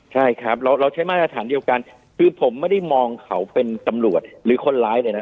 ใช่ครับเราใช้มาตรฐานเดียวกันคือผมไม่ได้มองเขาเป็นตำรวจหรือคนร้ายเลยนะ